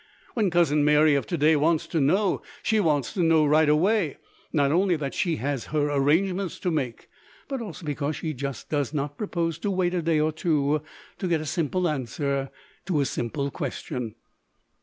When Cousin Mary of to day wants to know, she wants to know right away not only that she has her arrangements to make, but also because she just does not propose to wait a day or two to get a simple answer to a simple question.